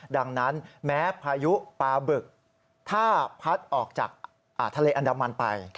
ดังนั้นแม้พายุปลาบึกถ้าพัดออกจากทะเลอันดามันไป